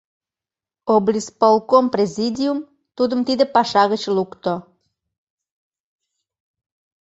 Облисполком президиум тудым тиде паша гыч лукто.